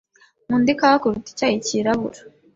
Nkunda ikawa kuruta icyayi cyirabura.